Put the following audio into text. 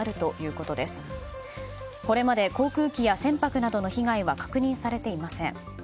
これまで航空機や船舶の被害は確認されていません。